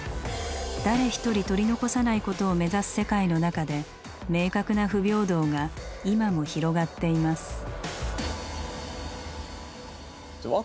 誰一人取り残さないことを目指す世界の中で明確な不平等が今も広がっています。